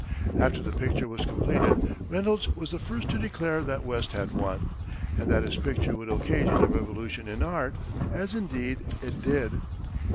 After the picture was completed, Reynolds was the first to declare that West had won, and that his picture would occasion a revolution in art as, indeed, it did.